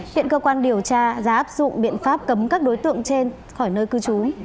hiện cơ quan điều tra đã áp dụng biện pháp cấm các đối tượng trên khỏi nơi cư trú